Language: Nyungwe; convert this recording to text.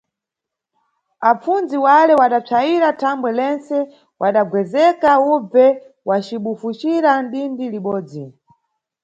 Apfundzi wale wadapsayira thambwe lentse, wadagwezeka ubve wacibufucira nʼdindi libodzi.